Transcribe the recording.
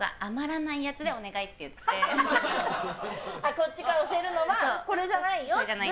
こっちから教えるのはこれじゃないよと。